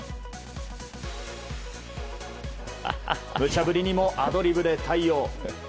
無茶ぶりにもアドリブで対応。